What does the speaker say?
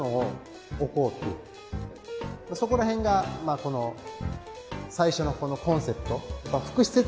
そこら辺がまあこの最初のこのコンセプト。